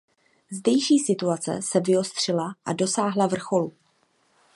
Zdejší situace se vyostřila a dosáhla vrcholu.